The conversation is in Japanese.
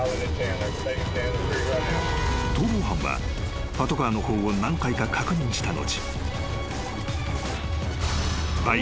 ［逃亡犯はパトカーの方を何回か確認した後］